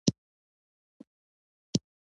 په ما يې غرض نشته که روپۍ درسره نه وي.